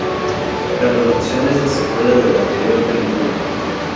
La producción es la secuela de la anterior película.